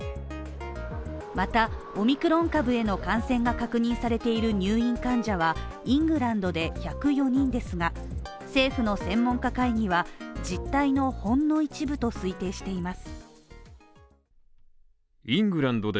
また、オミクロン株への感染が確認されている入院患者はイングランドで１０４人ですが、政府の専門家会議は、実態のほんの一部と推定しています。